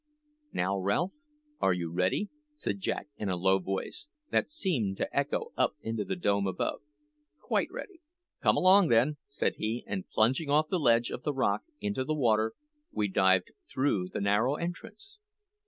"Now, Ralph, are you ready?" said Jack in a low voice, that seemed to echo up into the dome above. "Quite ready." "Come along, then," said he; and plunging off the ledge of the rock into the water, we dived through the narrow entrance.